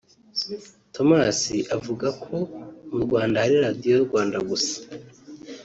Thomas avuga ko mu Rwanda hari radiyo Rwanda gusa